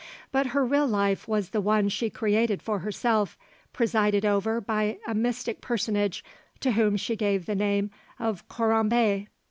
But her real life was the one she created for herself, presided over by a mystic personage to whom she gave the name of Corambé.